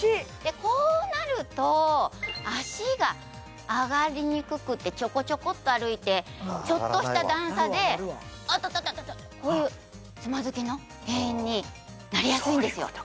こうなると脚が上がりにくくてチョコチョコっと歩いてちょっとした段差でアタタタタこういうつまずきの原因になりやすいんですよ